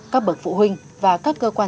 các bậc phụ huynh và các cơ quan